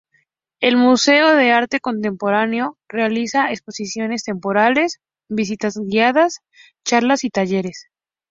El Museo de Arte Contemporáneo realiza exposiciones temporales, visitas guiadas, charlas y talleres.